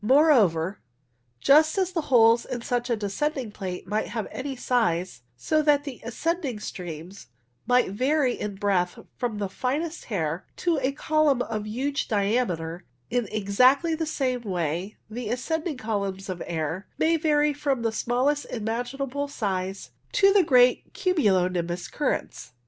Moreover, just as the holes in such a descending plate might have any size, so that the ascending streams might vary in breadth from the finest hair to a column of huge diameter, in Exactly the same way the ascending columns of air may vary from the smallest imaginable size to the great cumulo nimbus currents.